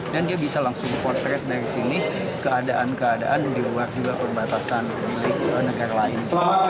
dan dia bisa langsung portret dari sini keadaan keadaan di luar juga perbatasan milik negara lain